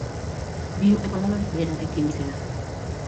Bi urteko alaba berarekin bizi da.